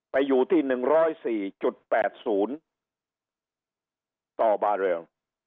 ไปอยู่ที่หนึ่งร้อยสี่จุดแปดศูนย์ต่อบาร์เรียล